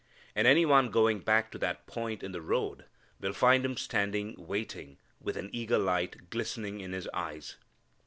And any one going back to that point in the road will find Him standing waiting with an eager light glistening in His eyes.